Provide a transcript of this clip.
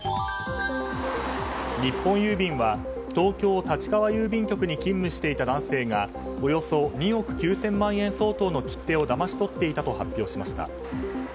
日本郵便は東京・立川郵便局に勤務していた男性がおよそ２億９０００万円相当の切手をだまし取っていたと発表しました。